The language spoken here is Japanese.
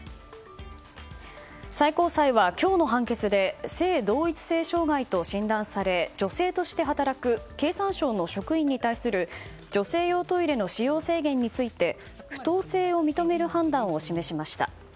最高裁は、今日の判決で性同一性障害と診断され女性として働く経産省の職員に対する女性用トイレの使用制限について不当性を認める判断を示しました。